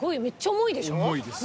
重いです。